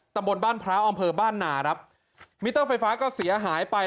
ตำบลบ้านพร้าวอำเภอบ้านนาครับมิเตอร์ไฟฟ้าก็เสียหายไป